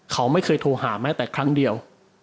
เขาไม่เคยโทรหาแม้แต่ครั้งเดียว